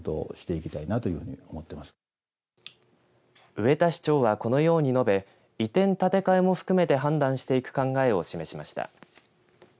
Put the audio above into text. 植田市長はこのように述べ移転建て替えも含めて判断していく考えを示しました。